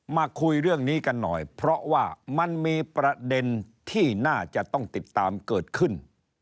มาคุยเรื่องนี้กันหน่อยเพราะว่ามันมีประเด็นที่น่าจะต้องติดตามเกิดขึ้น